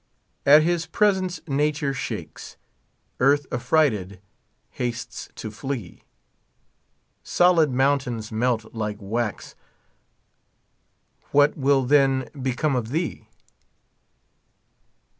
At his presence nature shakes. Earth affrighted hastes to flee ; Solid mountains melt like wax, What will then become of thee?